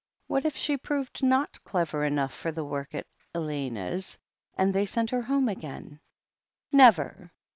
What if she proved not clever enough for the work at "Elena's," and they sent her home again? Never!